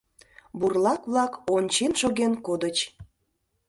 Бурлак-влак ончен шоген кодыч.